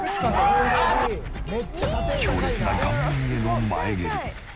強烈な顔面への前蹴り。